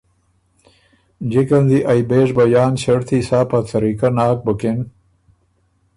جکه ن دی ائ بېژ بیان ݭړطی سا په طریقۀ ناک بُکِن